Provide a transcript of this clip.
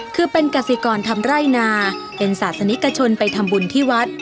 คือเป็นกษิกรทำไร่นาเป็นศาสนิกชนไปทำบุญที่วัด